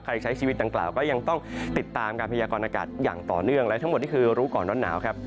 ใช้ชีวิตดังกล่าวก็ยังต้องติดตามการพยากรณากาศอย่างต่อเนื่องและทั้งหมดนี่คือรู้ก่อนร้อนหนาวครับ